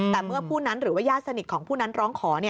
แต่เมื่อผู้นั้นหรือว่าญาติสนิทของผู้นั้นร้องขอ